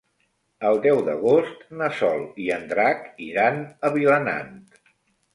El deu d'agost na Sol i en Drac iran a Vilanant.